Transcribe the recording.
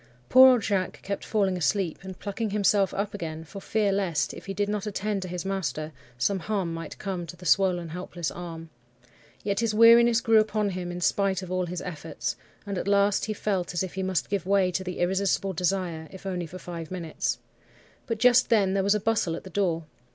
"Poor old Jacques kept falling asleep, and plucking himself up again for fear lest, if he did not attend to his master, some harm might come to the swollen, helpless arm. Yet his weariness grew upon him in spite of all his efforts, and at last he felt as if he must give way to the irresistible desire, if only for five minutes. But just then there was a bustle at the door.